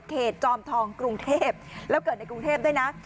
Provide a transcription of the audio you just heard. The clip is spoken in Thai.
จอมทองกรุงเทพแล้วเกิดในกรุงเทพด้วยนะ